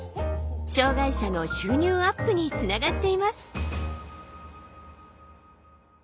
障害者の収入アップにつながっています。